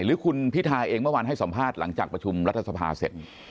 หรือคุณพิทาเองเมื่อวานให้สัมภาษณ์หลังจากประชุมรัฐสภาเสร็จ